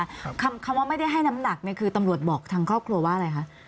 คำคำว่าไม่ได้ให้น้ำหนักเนี่ยคือตำรวจบอกทางครอบครัวว่าอะไรคะ